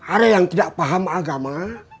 ada yang tidak paham agama